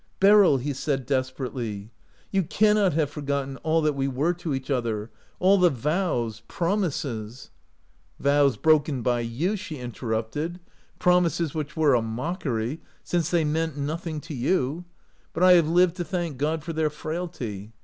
" Beryl,* he said, desperately, " you can not have forgotten all that we were to each other, all the vows — promises —"" Vows broken by you," she interrupted. 144 OUT OF BOHEMIA " Promises which were a mockery, since they meant nothing to you ; but I have lived to thank God for their frailty.